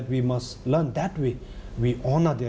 รู้ถึงประธานภาพที่สองเมือง